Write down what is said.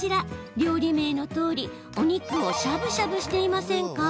料理名のとおり、お肉をしゃぶしゃぶしていませんか？